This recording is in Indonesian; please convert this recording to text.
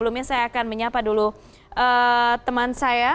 sebelumnya saya akan menyapa dulu teman saya